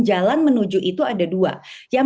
jalan menuju itu ada dua yang